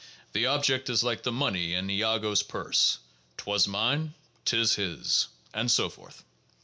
The object is like the money in Iago's purse; " 'twas mine, 'tis his," and so forth.